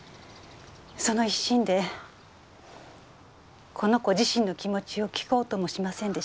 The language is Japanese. その一心でこの子自身の気持ちを聞こうともしませんでした。